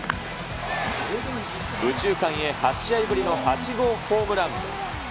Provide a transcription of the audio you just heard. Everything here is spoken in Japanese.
右中間へ８試合ぶりの８号ホームラン。